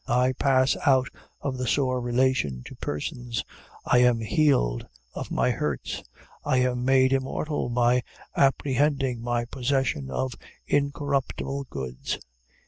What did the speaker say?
I pass out of the sore relation to persons. I am healed of my hurts. I am made immortal by apprehending my possession of incorruptible goods.